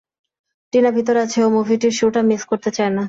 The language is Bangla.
টিনা ভিতরে আছে, ও মুভিটির শুরুটা মিস করতে চায় না।